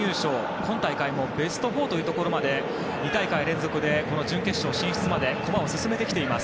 今大会もベスト４まで２大会連続で、準決勝進出まで駒を進めてきています。